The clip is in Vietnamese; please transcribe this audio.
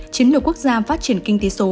chính lực quốc gia phát triển kinh tế số